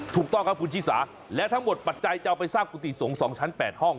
ถูกต้องครับคุณชิสาและทั้งหมดปัจจัยจะเอาไปสร้างกุฏิสงฆ์๒ชั้น๘ห้อง